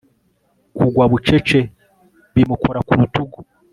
kugwa bucece bimukora ku rutugu